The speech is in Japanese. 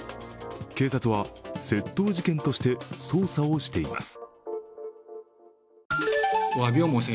警察は窃盗事件として捜査をしています。